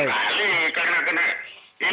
ini masuk kepada ruangan seseorang